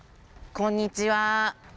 こんにちは。